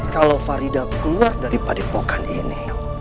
kalau farida keluar dari padepokan ini